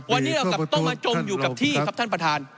วันนี้เรากลับต้องมาจมอยู่กับที่ครับท่านประธาน